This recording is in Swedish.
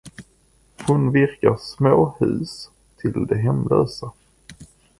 Hon virkar små hus till de hemlösa.